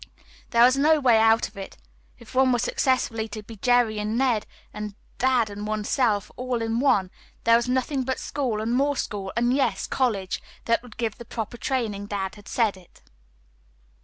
There was no way out of it. If one were successfully to be Jerry and Ned and dad and one's self, all in one, there was nothing but school and more school, and, yes, college, that would give one the proper training. Dad had said it.